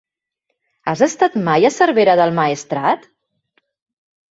Has estat mai a Cervera del Maestrat?